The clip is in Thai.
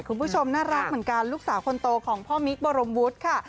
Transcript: คุณผู้ชมน่ารักเหมือนกันลูกสาวคนโตของพ่อมิ๊กบรมวุฒิค่ะ